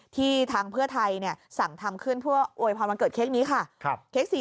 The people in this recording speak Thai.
ที่ทางเพื่อไทยเนี่ยสั่งทำขึ้นเพื่อวันเกิดเค้กนี้ค่ะเค้กสี่